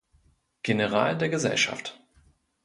General der Gesellschaft.